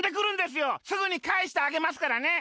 すぐにかえしてあげますからね。